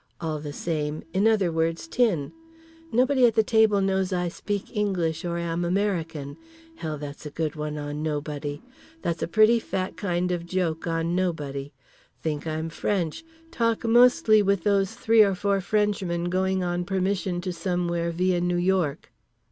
All the same. In other words Tin. Nobody at the table knows I speak English or am American. Hell, that's a good one on nobody. That's a pretty fat kind of a joke on nobody. Think I'm French. Talk mostly with those three or four Frenchmen going on permission to somewhere via New York.